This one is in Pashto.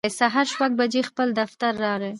سهار شپږ بجې خپل دفتر راغی